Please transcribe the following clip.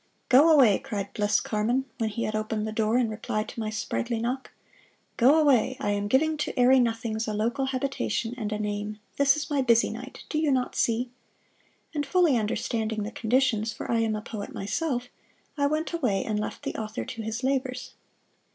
"Go away!" cried Bliss Carman, when he had opened the door in reply to my sprightly knock. "Go away! I am giving to airy nothings a local habitation and a name. This is my busy night do you not see?" And fully understanding the conditions, for I am a poet myself, I went away and left the author to his labors.